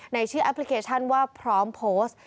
ในชื่อแอปพลิเคชันว่าพร้อมโพสต์